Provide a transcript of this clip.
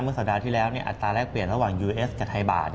สัปดาห์ที่แล้วอัตราแรกเปลี่ยนระหว่างยูเอสกับไทยบาท